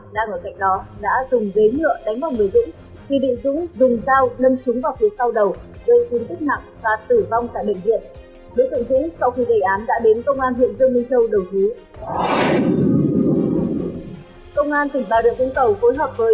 công an tỉnh bà điện vũng tàu phối hợp với công an thành phố vũng tàu khám hiện hiện trường tử huy